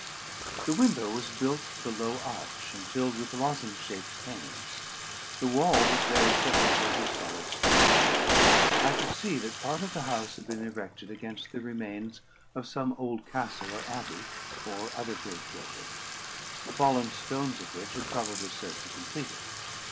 The window was built with a low arch, and filled with lozenge shaped panes. The wall was very thick, and built of solid stone. I could see that part of the house had been erected against the remains of some old castle or abbey, or other great building; the fallen stones of which had probably served to complete it.